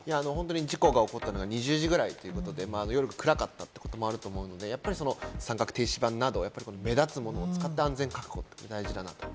事故が起こったのが２０時ぐらいということで夜、暗かったと思うので、三角停止板など目立つものを使った安全確保が大事だなと。